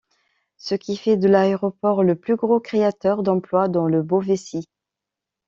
Ce qui fait de l'aéroport le plus gros créateur d'emplois dans le Beauvaisis.